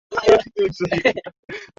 Igeuze yangu nia, dhaifu unipe mema